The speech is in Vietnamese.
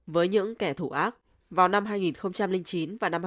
với những kẻ thủ ác vào năm hai nghìn chín và năm hai nghìn một mươi ba